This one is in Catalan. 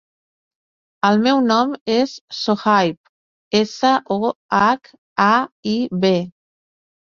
El meu nom és Sohaib: essa, o, hac, a, i, be.